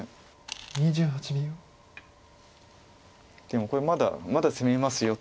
でもこれまだまだ攻めますよという。